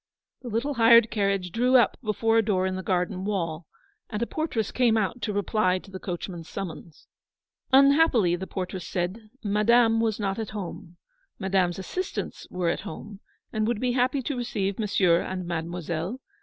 The little hired carriage drew up before a door in the garden wall, and a portress came out to reply to the coachman's summons. Unhappily, the portress said, Madame was not at home. Madame's assistants were at home, and would be happy to receive Mon sieur and Mademoiselle.